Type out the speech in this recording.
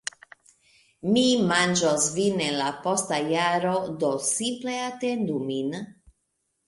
Mi manĝos vin en la posta jaro, do simple atendu min.